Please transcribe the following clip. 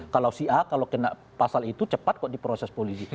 kalau si a kalau kena pasal itu cepat kok diproses polisi